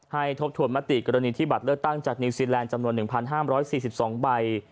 ทบทวนมติกรณีที่บัตรเลือกตั้งจากนิวซีแลนด์จำนวน๑๕๔๒ใบ